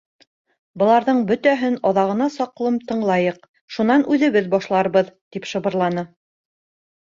— Быларҙың бөтәһен аҙағына саҡлым тыңлайыҡ, шунан үҙебеҙ башларбыҙ, — тип шыбырланы.